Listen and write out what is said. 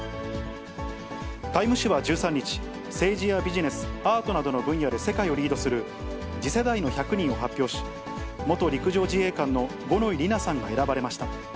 タイム誌は１３日、政治やビジネス、アートなどの分野で世界をリードする次世代の１００人を発表し、元陸上自衛官の五ノ井里奈さんが選ばれました。